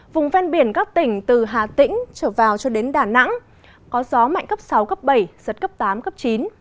vùng ven biển các tỉnh từ hà tĩnh trở vào cho đến đà nẵng có gió mạnh cấp sáu cấp bảy giật cấp tám cấp chín